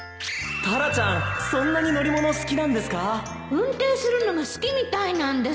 運転するのが好きみたいなんです